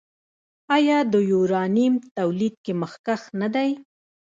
آیا د یورانیم تولید کې مخکښ نه دی؟